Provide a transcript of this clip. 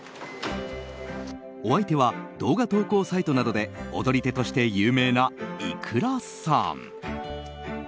お相手は動画投稿サイトなどで踊り手として有名な、いくらさん。